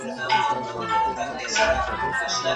هیوادونه له نړیوالو قوانینو بې سرپرستي نه پاته کيږي.